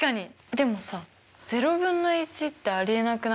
でもさ０分の１ってありえなくない？